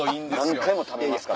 何回も「食べますか？」。